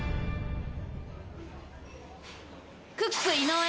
クック井上。